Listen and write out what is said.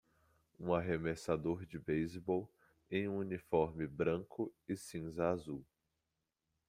Um arremessador de beisebol em um uniforme branco e cinza azul.